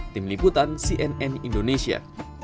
tim liputan cnn indonesia